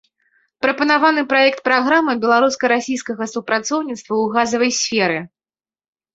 Прапанаваны праект праграмы беларуска-расійскага супрацоўніцтва ў газавай сферы.